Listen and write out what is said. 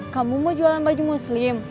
kamu mau jualan baju muslim